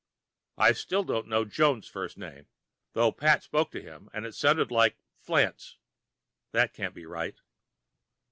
I still don't know Jones' first name, though Pat spoke to him, and it sounded like Flants. That can't be right.